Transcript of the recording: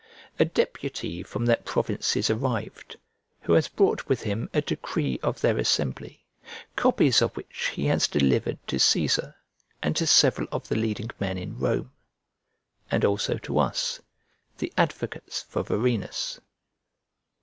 A deputy from that province is arrived, who has brought with him a decree of their assembly; copies of which he has delivered to Cæsar, and to several of the leading men in Rome, and also to us, the advocates for Varenus.